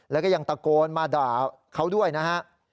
แล้วก็ยังตะโกนมาด่าเขาด้วยนะฮะ